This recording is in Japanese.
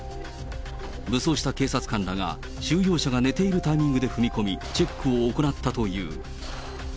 武装した警察官らが、収容者が寝ているタイミングで踏み込み、チェックを行ったという。